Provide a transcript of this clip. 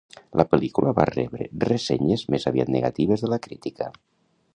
La pel·lícula va rebre ressenyes més aviat negatives de la crítica.